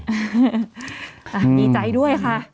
ดีใจด้วยค่ะ